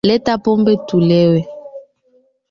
Leta Pombe tulewe